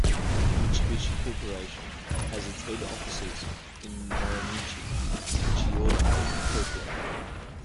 Mitsubishi Corporation has its head office in Marunouchi, Chiyoda, Tokyo.